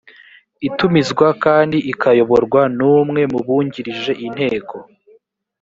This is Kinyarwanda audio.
itumizwa kandi ikayoborwa n umwe mu bungirije inteko